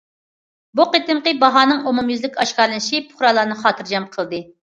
بۇ قېتىمقى باھانىڭ ئومۇميۈزلۈك ئاشكارىلىنىشى پۇقرالارنى خاتىرجەم قىلدى.